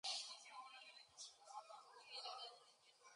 In the same year Prince Alexander was appointed Chairman of Middlesex Hospital.